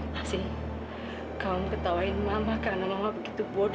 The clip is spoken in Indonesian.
pasti kamu mau ketawain mama karena mama begitu bodoh